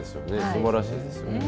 すばらしいですよね。